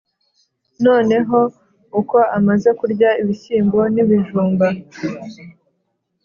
noneho uko amaze kurya ibishyimbo n'ibijumba